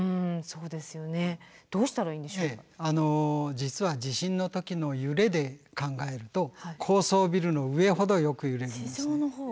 実は地震の時の揺れで考えると高層ビルの上ほどよく揺れるんですね。